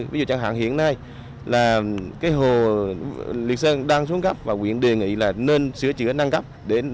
ví dụ chẳng hạn hiện nay là cái hồ liệt sơn đang xuống gấp và nguyện đề nghị là nên sửa chữa năng gấp để làm cho là